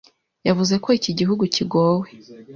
yavuze ko iki gihugu kigowe